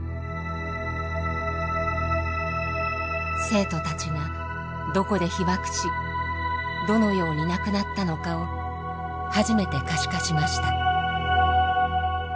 生徒たちがどこで被爆しどのように亡くなったのかを初めて可視化しました。